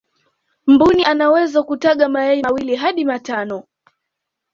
mbuni anawezo kutaga mayai mawili hadi matano